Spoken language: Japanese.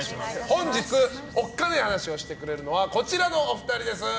本日、おっカネ話をしてくれるのはこちらのお二人です。